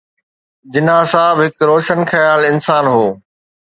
جناح صاحب هڪ روشن خيال انسان هو.